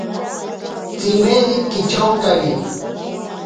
Tsimeri kityonkari.